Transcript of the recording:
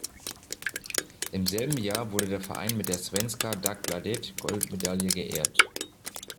Im selben Jahr wurde der Verein mit der Svenska-Dagbladet-Goldmedaille geehrt.